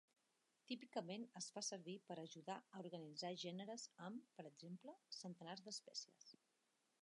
Típicament es fa servir per a ajudar a organitzar gèneres amb, per exemple, centenars d'espècies.